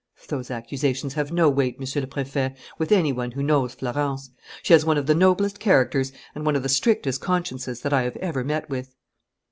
"Those accusations have no weight, Monsieur le Préfet, with any one who knows Florence. She has one of the noblest characters and one of the strictest consciences that I have ever met with."